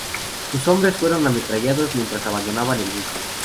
Sus hombres fueron ametrallados mientras abandonaban el buque.